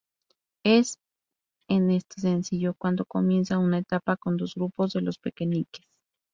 Es en este sencillo cuando comienza una etapa con dos grupos de Los Pekenikes.